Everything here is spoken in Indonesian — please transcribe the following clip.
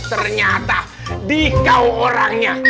oh ternyata di kau orangnya